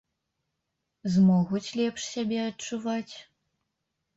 Змогуць лепш сябе адчуваць?